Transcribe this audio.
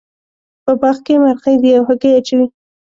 په باغ کې مرغۍ دي او هګۍ اچوې